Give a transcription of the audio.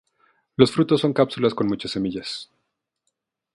Los frutos son cápsulas con muchas semillas.